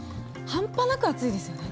半端なく暑いですよね。